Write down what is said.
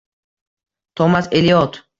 Tomas Eliot